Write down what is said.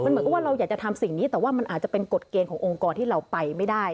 มันจะทำสิ่งนี้แต่ว่ามันอาจจะเป็นกฎเกณฑ์ขององค์กรที่เราไปไม่ได้